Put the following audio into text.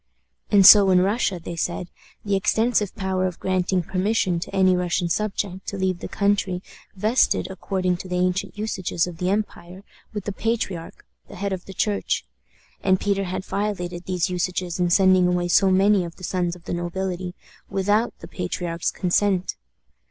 And so in Russia, they said, the extensive power of granting permission to any Russian subject to leave the country vested, according to the ancient usages of the empire, with the patriarch, the head of the Church and Peter had violated these usages in sending away so many of the sons of the nobility without the patriarch's consent.